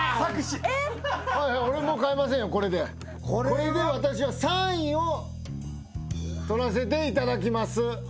これで私は３位を取らせていただきます。